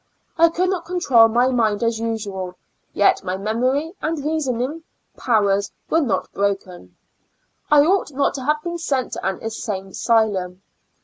I could not control my mind as usual ; yet my memor}^ and reasoning powers were not broken ; I ought not to have been sent to an insane asylum.